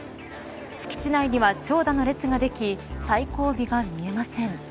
敷地内には長蛇の列ができ最後尾が見えません。